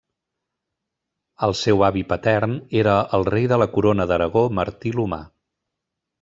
El seu avi patern era el rei de la Corona d'Aragó, Martí l'Humà.